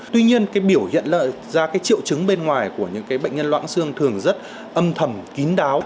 tuy nhiên biểu hiện ra triệu chứng bên ngoài của những bệnh nhân loãng xương thường rất âm thầm kín đáo